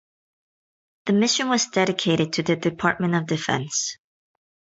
The mission was dedicated to the Department of Defense.